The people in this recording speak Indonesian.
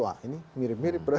nah ini mirip mirip